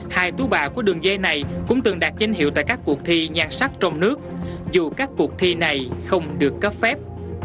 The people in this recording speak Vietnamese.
hai tú bà của đường dây này cũng từng đạt danh hiệu tại các cuộc thi nhan sắc trong nước dù các cuộc thi này không được cấp phép